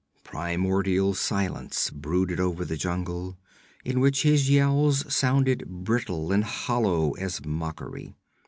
Primordial silence brooded over the jungle, in which his yells sounded brittle and hollow as mockery.